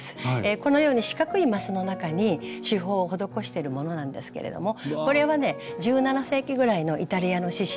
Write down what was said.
このように四角いマスの中に手法を施してるものなんですけれどもこれはね１７世紀ぐらいのイタリアの刺しゅうの影響を受けたと思われます。